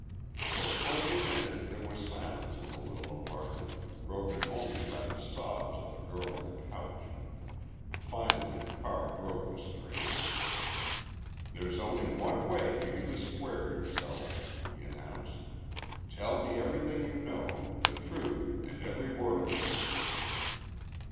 For fully a minute there was silence in the little apartment, broken only by the sobs of the girl on the couch. Finally Carr broke the strain. "There's only one way for you to square yourself," he announced. "Tell me everything you know the truth and every word of it!"